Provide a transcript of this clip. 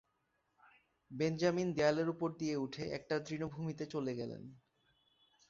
Benjamin দেয়ালের ওপর দিয়ে উঠে একটা তৃণভূমিতে চলে গেলেন।